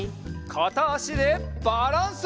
かたあしでバランス！